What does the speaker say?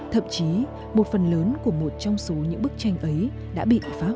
thậm chí một phần lớn của một trong số những bức tranh ấy đã bị phá hủy hoàn toàn